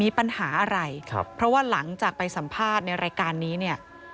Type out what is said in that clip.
ปัญหาอะไรครับเพราะว่าหลังจากไปสัมภาษณ์ในรายการนี้เนี่ย